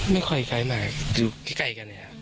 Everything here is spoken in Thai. เป็นครบไม้หรือครบดิน